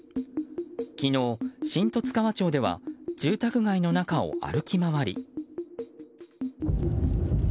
昨日、新十津川町では住宅街の中を歩き回り。